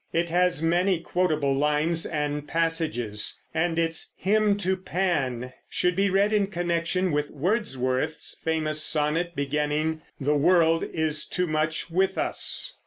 It has many quotable lines and passages, and its "Hymn to Pan" should be read in connection with Wordsworth's famous sonnet beginning, "The world is too much with us."